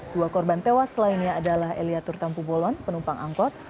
dua korban tewas lainnya adalah eliatur tampu bolon penumpang angkot